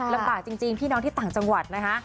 ลำบากจริงพี่น้องที่ต่างจังหวัดนะคะ